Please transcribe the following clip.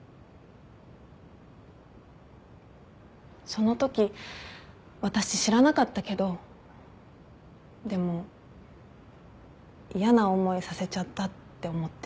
そのとき私知らなかったけどでも嫌な思いさせちゃったって思って。